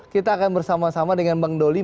kita akan bersama sama dengan bang doli